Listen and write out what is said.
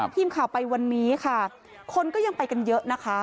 ทีมข่าวไปวันนี้ค่ะคนก็ยังไปกันเยอะนะคะ